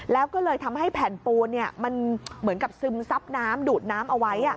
แล้วก็เลยทำให้แผ่นปูนมันเหมือนกับซึมซับน้ำดูดน้ำเอาไว้